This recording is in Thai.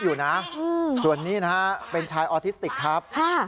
มึงแค่ทำเพื่อนกูโอเค